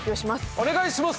お願いします。